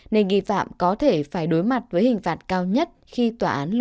nên nghi phạm có thể phải đối mặt với hình thức